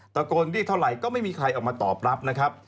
ตะโกนเรียกเท่าไหร่ก็ไม่มีใครออกมาตอบรับนะครับ